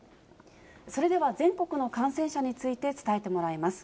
それでは全国の感染者について伝えてもらいます。